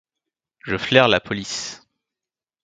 Je flaire la police.